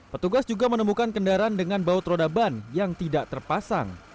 petugas juga menemukan kendaraan dengan baut roda ban yang tidak terpasang